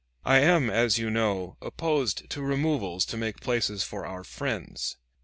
I am, as you know, opposed to removals to make places for our friends.